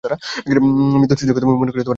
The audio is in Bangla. মৃত স্ত্রীর কথা মনে করে খানিকক্ষণ কাঁদলেন।